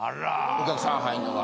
お客さん入るのが。